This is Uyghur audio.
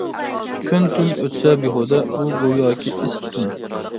كۈن-تۈن ئۆتسە بىھۇدە، ئۇ گوياكى ئىس-تۈتۈن.